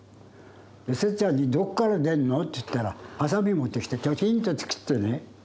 せっちゃんに「どっから出んの？」って言ったらはさみ持ってきてチョキンと切ってね